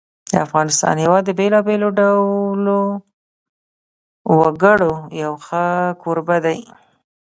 د افغانستان هېواد د بېلابېلو ډولو وګړو یو ښه کوربه دی.